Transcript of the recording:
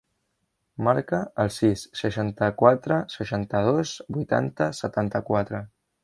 Marca el sis, seixanta-quatre, seixanta-dos, vuitanta, setanta-quatre.